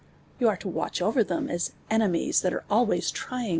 You are tuvviitch over them as enemies, (hat aro always tryinj;* Dl'.